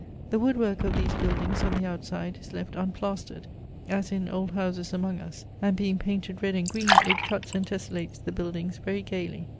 The woodwork of these buildings on the outside is left unplastered, as in old houses among us, and, being painted red and green, it cuts and tesselates the buildings very gaily.